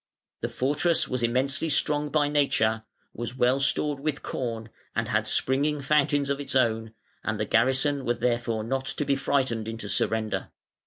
The fortress was immensely strong by nature, was well stored with corn, and had springing fountains of its own, and the garrison were therefore not to be frightened into surrender.